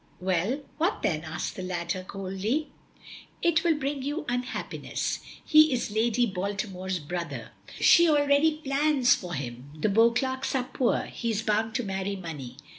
"Well, what then?" asks the latter coldly. "It will bring you unhappiness. He is Lady Baltimore's brother. She already plans for him. The Beauclerks are poor he is bound to marry money."